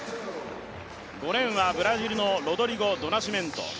５レーンはブラジルのロドリゴ・ドナシメント。